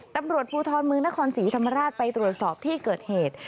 ตำรวจภูทรเมืองนครศรีธรรมราชไปตรวจสอบที่เกิดเหตุ